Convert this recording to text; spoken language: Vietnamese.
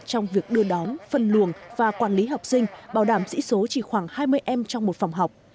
trong việc đưa đón phân luồng và quản lý học sinh bảo đảm dĩ số chỉ khoảng hai mươi em trong một phòng học